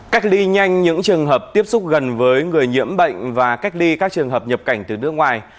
cách ly nhanh những trường hợp tiếp xúc gần với người nhiễm bệnh và cách ly các trường hợp nhập cảnh từ nước ngoài